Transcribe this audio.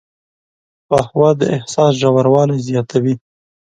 قهوه د احساس ژوروالی زیاتوي